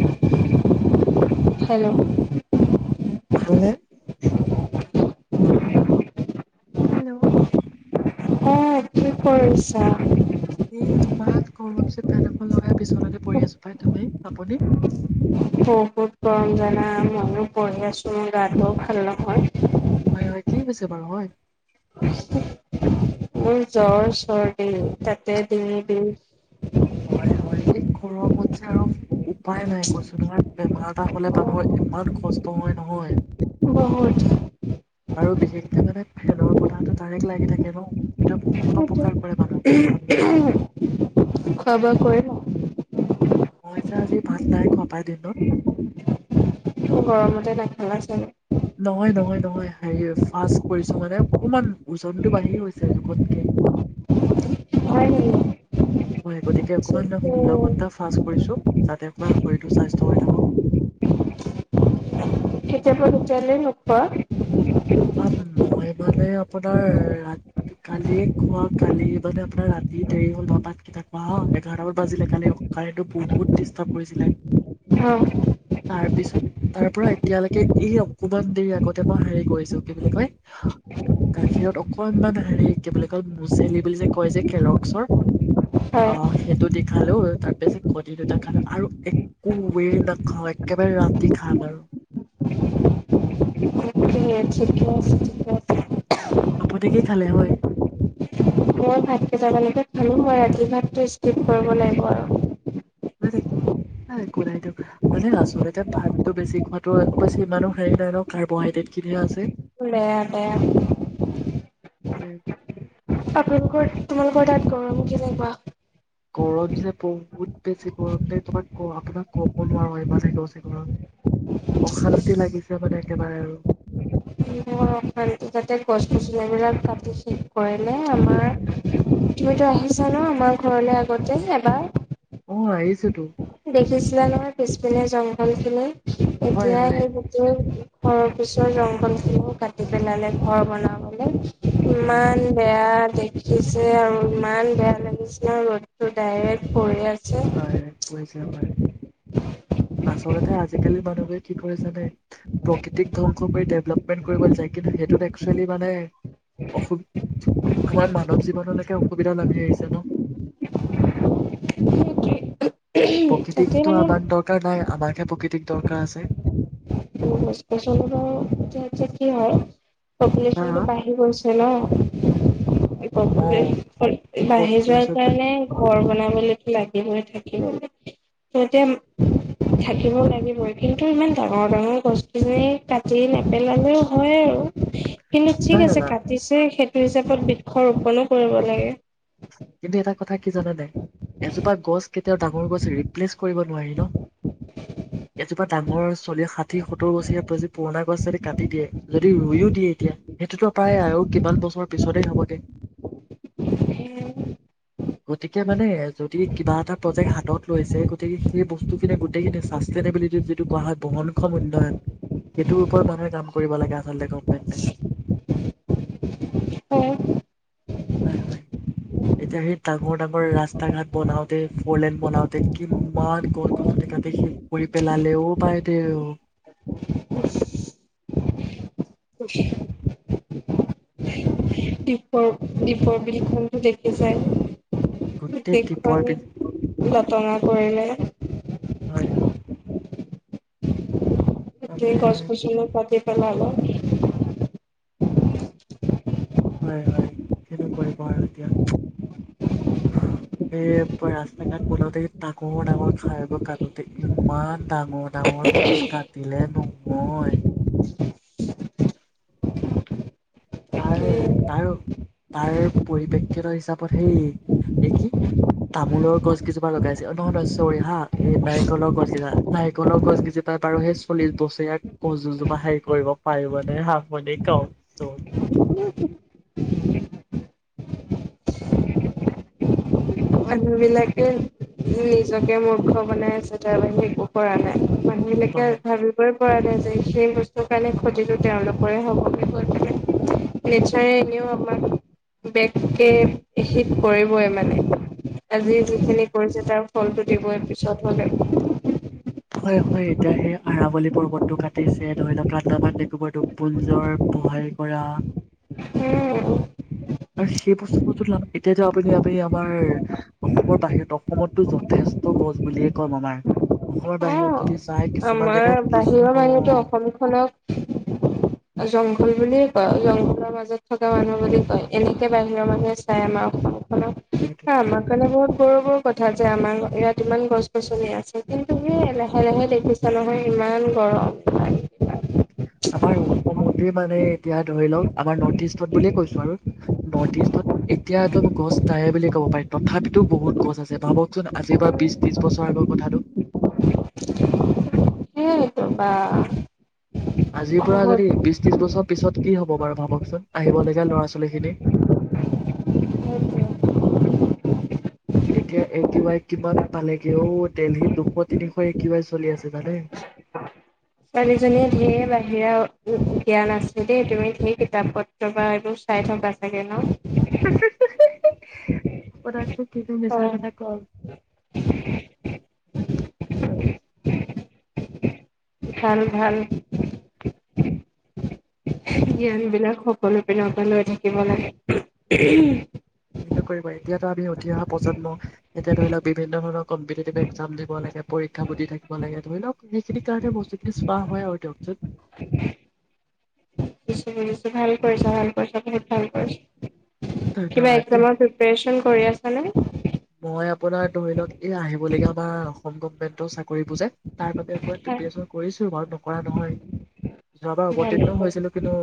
অ [unintelligible] hello ভাল নে? Hello অহ, কি কৰিছা? এই ইমান গৰম যে ফেন এখন লগাই বিছনতে পৰি আছোঁ পাই। তুমি, আপুনি? বহুত গৰম জানা, মইয়ো পঢ়ি আছোঁ। মোৰ গাতোও ভাল নহয়। হয় হয়, কি হৈছে বাৰু হয়। মোৰ জ্বৰ-চৰ্দি, তাতে দিঙ বিষ। হয় হয়, এই গৰমত যে আৰু উপায় নাই কছোন ধৰ, বেমাৰ এটা হ'লে [unintelligible] ইমান কষ্ট হয় নহয়। বহুত। আৰু বিশেষকে মানে, ফেনৰ বতাহটো ডাইৰেক্ট লাগি থাকে ন। সেইটো বহুত অপকাৰ কৰে মানুহক [unintelligible] খোৱা বোৱা কৰিলা? [unintelligible] পিছে আজি ভাত নাই খোৱা পাই দিনত? গৰমতে নাখালা চাগে? নহয় নহয় নহয়। হেৰি, ফাষ্ট কৰিছোঁ মানে। অকনমান ওজনটো বাঢ়ি গৈছে জোখতকে। হয় নেকি হয়, গতিকে অকনমান ষোল্ল ঘণ্টা ফাষ্ট কৰিছোঁ। যাতে অকনমান শৰীৰটো স্বাস্থ্য হৈ থাকক। তেতিয়া [unintelligible] অহ মই মানে, আপোনাৰ ৰাত কালি খোৱা কালি মানে আপোনাৰ ৰাতি দেৰি হ'ল নটাত কেইটা খোৱা হোৱা, এঘাৰটামান বাজিলে। কালি কাৰেণ্টটো বহুত ডিষ্টাৰ্ব কৰিছিলে। অহ [unintelligible] তাৰ পিছত, তাৰ পৰা এতিয়ালৈকে এই অকমান দেৰি আগতে মই হাৰি গৈছোঁ। কি বুলি কয়, গাখীৰত অকনমান হেৰি, কি বুলি কয় মুচেলি বুলি যে কয় যে কেলগছৰ। হয় অহ, সেইটো দি খালোঁ। তাৰ পিছত কণী দুটা খালোঁ আৰু একোৱেই নাখাওঁ। একেবাৰে ৰাতি খাম আৰু। ঠিকে আছে ঠিকে আছে আপুনি কি খালে? হয়। মই ভাত কেইট মানকে খালোঁ। মই ৰাতিৰ ভাতটো স্কিপ কৰিব লাগিব আৰু। হয় নিকি। নাই একোনাইটো। মানে আচলতে ভাতটো বেছি খোৱাটো, অৱশ্যে ইমানো হেৰি নাই ন, কাৰ্বহাইড্ৰেটখিনিহে আছে। দে দে। উম। আপোনালোকৰ, তোমালোকৰ তাত গৰম কেনেকুৱা? গৰম যে ব- হুত বেছি গৰম দেই, তোমাক ক আপোনাক ক'ব নোৱাৰোঁ ইমানে পৰচে গৰম। অশান্তি লাগিছে মানে একেবাৰে আৰু। অশান্তি, তাতে গছ-গছনিবিলাক কাটি শেষ কৰিলে আমাৰ। তুমিতো আহিছা ন আমাৰ ঘৰলে আগতে এবাৰ? অ আহিছেতো দেখিছিলা নহয় পিচ- পিনে জংঘল খিনি। হয় এতিয়া হয় সেই গুতেই- তাৰ পিছত জংঘল খিনিও কাট- পেলাইে ঘৰ বনাবলে হয় ইমান হয় বেয়া দিন উঠিছে আৰু ইমান বেয়া লাগিছে ন ৰ'দটো ডাইৰেক্ট কৰি আছে ডাইৰেক্ট পইচা হয় আচলতে আজিকালি মানুহে কি কৰে জানে প্ৰকৃতিক ধ্বংস কৰি ডেভেলপমেন্ট কৰিব যাই কিন্তু সেইটোত একচুৱেলি মানে অসু আমাৰ মানৱ জীৱনলৈকে অসুবিধা নামি আহিছে ন সেইটোৱে তাতে প্ৰকৃতিকতো মানে আমাৰ দৰকাৰ নাই আমাকহে প্ৰকৃতিক দৰকাৰ আছে চলৰ য কি হয় হা পপুলেচনটো বাঢ়ি গৈছে ন! অ বাঢ়ি যোৱাৰ পপুলেশ্যন কাৰণে ঘৰ বন লাগি থাক সিহতে থাকিবও লাগিবই কিন্তু ইমান ডাঙৰ ডাঙৰ গছখিনি কাটি নেপেলালেও হয় আৰু কিন্তু ঠিক নাই না আছে না কাটিছে হিচাপত বৃক্ষ ৰোপনো কৰিব লাগে কিন্তু এটা কথা কি জানে নাই এজোপা গছ কেতিয়াও ডাঙৰ গছ ৰিপ্লেচ কৰিব নোৱাৰি ন। এজোপা ডাঙৰ চল্লিশ ষাঠি সত্তৰ বছৰীয়া যদি পুৰণা গছ যদি কাটি দিয়ে যদি ৰুইয়ো দিয়ে এতিয়া সেইটোতো প্ৰায় আৰু কিমান বছৰৰ পিছতেই হ'বগে উম গতিকে মানে যদি কিবা এটা প্ৰজেক্ট হাতত লৈছে গতিকে সেই বস্তুখিনি গোটেইখিনি চাষ্টেইনেবিলিটি যিটো কোৱা হয় বহনক্ষম উন্নয়ন সেইটোৰ ওপৰত মানুহে কাম কৰিব লাগে আচলতে গভমেন্টে চল্লিশ হয়। এতিয়া সেই ডাঙৰ ডাঙৰ ৰাস্তা ঘাট বনাওতে ফৰলেন বনাওতে কিমান গছ গছনি কাটি শেষ কৰি পেলালে অঔ বাইদেউ দ্বীপৰ দ্বীপৰ বিলখনো দেখিচায় গোটেই দেখুৱা টিপৰ পিল লতঙা কৰিলে হয় মানে [unintelligible] গছ-গচনি কাটি হেল্লো হয় হয়। কিনো কৰিব আৰু এতিয়া। সেই ৰাস্তা ঘাট বনাওতে ডাঙৰ ডাঙৰ খাইবোৰ কাটোতে ইমান ডাঙৰ ডাঙৰ গছ কাটিলে নো মই তাৰ সেইটোৱে তাৰ তাৰ পৰিপ্ৰেক্ষিত হিচাপত সেই এই কি তামোলৰ গছ কেইজোপা লগাইছে নহয় নহয় চৰি হা এই নাৰিকলৰ গছকেইজা নাৰিকলৰ গছ কেইজোপা বাৰু সেই চল্লিশ বছৰীয়া গছ দুজোপা হেৰি কৰিব পাৰিবনেে হাঁ বুলি কওক নো মানুহ বিলাকে নিজকে মূৰ্খ বনাই আছে তাৰ বাহিৰে একো কৰা নাই মানুহবিলাকে হয় ভাবিবই কৰা নাই যে সেই বস্তুৰ কাৰণে ক্ষতিটো তেওঁলোকৰে হবগে গৈ পেনে নিশ্চয় এনেও আমাক বেগকে হিত কৰিবই মানে আজি যিখিনি কৰিছে তাৰ ফলটো দিবই পিছত হ'লে। হয় ', -হয়, এতিয়া সেই আৰাৱলী পৰ্বতটো কাটিছে। ধৰি লওক আন্দামান- নিকোবৰ- -দ্বীপপুঞ্জৰ পোহাই কৰা, উম, আৰু সেই বস্তুবোৰ তুলনাত, এতিয়াতো আপুনি - আপুনি আমাৰ অসমৰ বাহিৰত অসমততো যথেষ্ট গছ বুলিয়ে ক'ম আমাৰ। অসমৰ অ বাহিৰত, - আমাৰ বাহিৰৰ মানুহেতো অসম খনক জংঘল বুলি জংগলৰ মাজত থকা মানুহ বুলি কয়। এনেকে বাহিৰৰ মানুহে চাই আমাৰ অসম। সেইটো আমাৰ কাৰণে বহুত, - সৰু বোৰ কথা যে, আমাৰ ইয়াত ইমান গছ- -গছনি আছে কিন্তু সে ', লাহে -লাহে দে, পিছে নহয় ইমান গৰম আমাৰ অসমতে মানে এতিয়া ধৰি লওক আমাৰ নৰ্থ ইষ্টত বুলিয়ে কৈছো আৰু নৰ্থ ইষ্টত এতিয়াতো গছ নাহে বুলি ক'ব পাৰি তথাপিতো বহুত গছ আছে ভাবকচোন আজিৰ বা বিশ ত্ৰিশ বছৰ আগৰ কথাটো সেইটো বা', আজিৰ পৰা যদি বিশ -ত্ৰিশ বছৰ পিছত, কি হ'ব বাৰু ভাবকচোন আহিব- লগীয়া ল'ৰা- ছোৱালী খিনি, এতিয়া এ', টি ৱাই কিমান পালেগে অ', দেলহীত দুশ -তিনিশ এক ৱাই চলি আছে জানে। ছোৱালীজনীৰ ধেৰ বাহিৰা জ্ঞান আছে দেই, তুমি ধেইৰ কিতাপ পত্ৰ বা এইবোৰ চাই থকা চাগে ন', কিন্তু মিছাৰ কথা কম [inaudible] ভাল-ভাল জ্ঞান -বিলাক সকলো পিনৰ পৰা লৈ থাকিব লাগে। সেইতো কৰিব এতিয়াতো আমি উঠি অহা প্ৰজন্ম। এতিয়া ধৰি লওক বিভিন্ন ধৰণৰ কম্পিটেটিভ -এক্সাম দিব লাগে, পৰীক্ষা বুদ্ধি থাকিব লাগে ধৰি লওক, সেইখিনি কাৰণে বস্তুখিনি চোৱা হয় আৰু দিয়কচোন। শুনিছোঁ -শুনিছোঁ, ভাল কৰিছা', -ভাল কৰিছা, বহুত ভাল কৰিছা। কিবা ধন্যবাদ দেই এক্সামৰ প্ৰিপাৰচন কৰি আছ নে? মই আপোনাৰ ধৰি লক, - এই আহিবলগীয়া বাৰ, গভৰ্মেণ্টও চাকৰি বুজে তাৰ বাবে অক প্ৰিপ্যেৰেচন কৰিছো ঘৰত কৰা নহয় যোৱা বাৰ ভালে অৱতীৰ্ণ হৈছিলো, কৰিছা। কিন্তু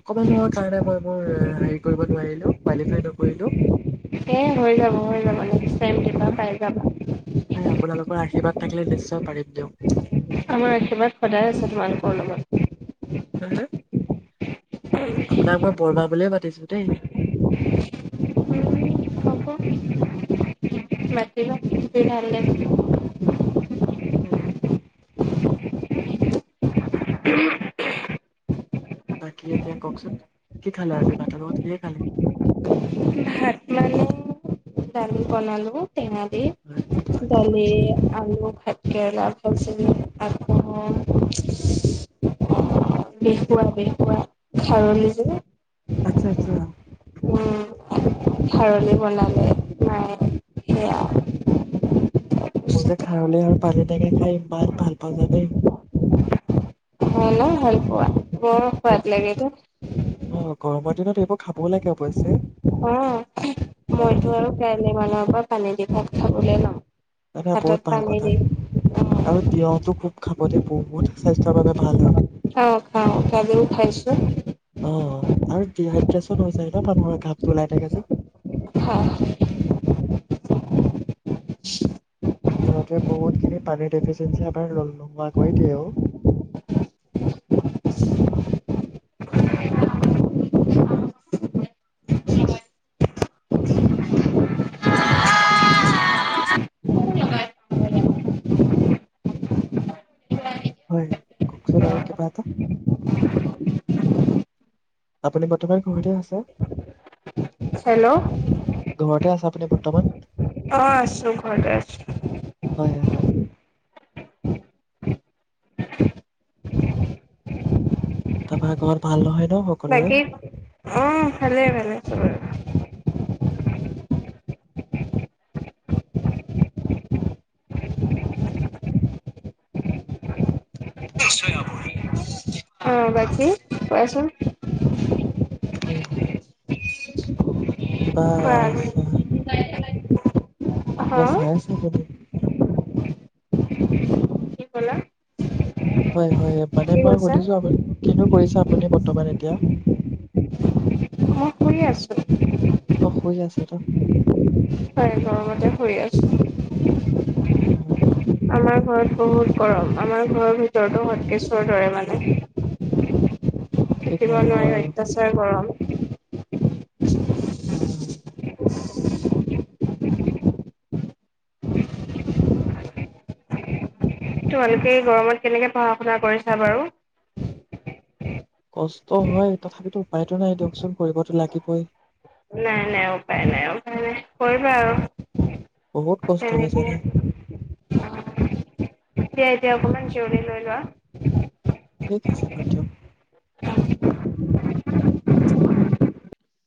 অকমানৰ কাৰণে মই, মই হেৰি কৰিব নোৱাৰিলো কোৱালিফাই নকৰিলো এ ', হৈ যাব -হৈ যাব লাগি, টাইম দিবা পাইজাবা। হয় আপোনালোকৰ আশীৰ্বাদ থাকিলে নিশ্চয় পাৰিম দিয়ক। আমাৰ আশীৰ্বাদ সদায় আছে তোমালোকৰ লগত। হম হম আপোনাক মই বৰমা বুলিয়ে মাতিছোঁ দেই। [unintelligible] [inaudible] বাকী এতিয়া কওকচোন, কি খালে আজি, ভাতৰ লগত কিহে খালে? দাইল বনালো। টেঙা দি। হয় হয়। দালি, আলু, ভাতকেৰেলাৰ ভাজি। আকৌ, [unintelligible] খাৰলি যে আচ্ছা আচ্ছা [unintelligible] উম খাৰলি বনালে। হয় সেয়া। মোৰ যে খাৰলি আৰু পানী টেঙি খাই ইমান ভাল। [unintelligible] [unintelligible] ভাল পোৱা। বৰ সোৱাদ লাগে। অ গৰমৰ [unintelligible] অৱশ্যে অ হয় মইটো আৰু হয় [unintelligible] অকল পানী দি ভাত খাবলে লওঁ। এইটো বহুত ভাল কথা আৰু তিঁয়হটো খুব খাব দেই। বহুত স্বাস্থ্যৰ বাবে ভাল হয়। অ খাওঁ। গাজৰো খাইছো। অ [unintelligible] হৈ যায় ন ঘাপটো ওলাই থাকে যে। হয় হয়। [unintelligible] সিহঁতে বহুতখিনি পানী ডেফিচিয়েঞ্চি আমাৰ নোহোৱা কৰি দিয়েও। হয় কওঁকচোন আৰু কিবা এটা। আপুনি বৰ্তমান ঘৰতে আছে? হেল্ল'। ঘৰতে আছে আপুনি বৰ্তমান? অ আছো ঘৰতে আছো। হয় হয় [unintelligible] তাৰপৰা ঘৰত ভাল নহয়? ন সকলোৰে? বাকী, অ ভালে ভালে। [unintelligible] অ বাকী কোৱাচোন। হয় হয়। কিবা চা [unintelligible] [unintelligible] হা কিবা চাই আছে আপুনি? কি ক'লা? হয় হয়। মানে কি মই কৈছা সুধিছো আপুনি কিনো কৰিছে আপুনি বৰ্তমান এতিয়া? মই শুই আছো। অ শুই আছে ত হয়, গৰমতে ঘুৰি আছো। হয় হয়। আমাৰ ঘৰত বহুত গৰম, আমাৰ ঘৰৰ ভিতৰতো হটকেছৰ দৰে মানে। কি থাকিব কৰিব নোৱাৰি আৰু অত্যাচাৰ গৰম। [unintelligible] তোমালোকে এই গৰমত কেনেকে পঢ়া শুনা কৰিছা বাৰু। কষ্ট হয় তথাপিতো উপায়তো নাই দিয়কচোন, পঢ়িব টো লাগ [unintelligible] নাই নাই উপায় নাই উপায় নাই, কৰিবা আৰু। বহুত [unintelligible] কষ্ট হয় জানে। তে এতিয়া অকমান জিৰণি লৈ লোৱা। ঠিক আছে বাৰু দিয়ক।